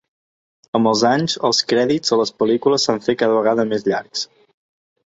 Amb els anys, els crèdits a les pel·lícules s'han fet cada vegada més llargs.